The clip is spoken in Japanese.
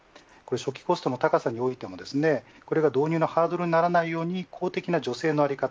初期コストの高さにおいてもこれが導入のハードルにならないように公的な助成の在り方